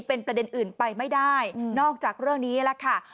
เป็นประเด็นอื่นไปไม่ได้นอกจากเรื่องนี้แล้วค่ะ